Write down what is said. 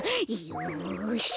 よし。